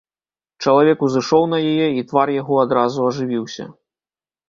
Чалавек узышоў на яе, і твар яго адразу ажывіўся.